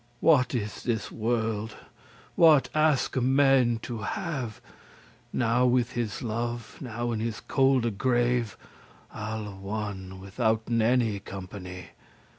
What is this world? what aske men to have? Now with his love, now in his colde grave Al one, withouten any company.